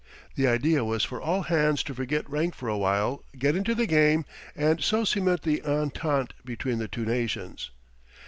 The idea was for all hands to forget rank for a while, get into the game, and so cement the entente between the two nations.